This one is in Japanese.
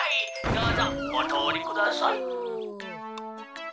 どうぞおとおりください」。